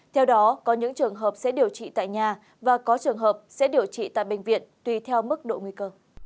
theo đó có những trường hợp sẽ điều trị tại nhà và có trường hợp sẽ điều trị tại bệnh viện tùy theo mức độ nguy cơ